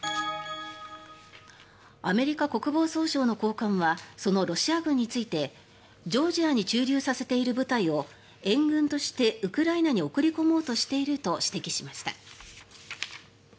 アメリカ国防総省の高官はそのロシア軍についてジョージアに駐留させている部隊を援軍としてウクライナに送り込もうとしていると指摘しました。